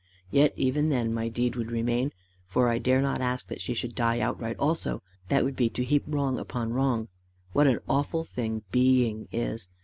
Yet even then my deed would remain, for I dare not ask that she should die outright also that would be to heap wrong upon wrong. What an awful thing being is!